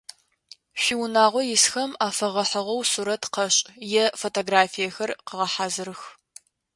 Шъуиунагъо исхэм афэгъэхьыгъэу сурэт къэшӏ, е фотографиехэр къэгъэхьазырых.